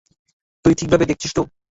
তুই ঠিকভাবে দেখছিস তো?